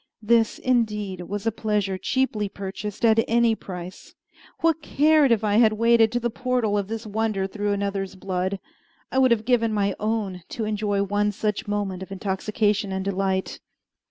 This, indeed was a pleasure cheaply purchased at any price. What cared I if I had waded to the portal of this wonder through another's blood. I would have given my own to enjoy one such moment of intoxication and delight.